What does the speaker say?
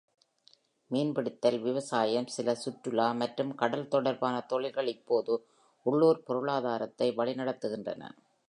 மீன்பிடித்தல், விவசாயம், சில சுற்றுலா மற்றும் கடல் தொடர்பான தொழில்கள் இப்போது உள்ளூர் பொருளாதாரத்தை வழிநடத்துகின்றன.